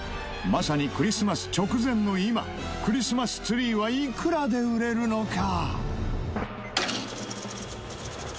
まさにクリスマス直前の今クリスマスツリーはいくらで売れるのか？